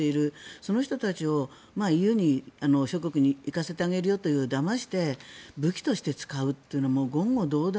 その人たちをＥＵ諸国に行かせてあげるよとだまして、武器として使うというのは言語道断。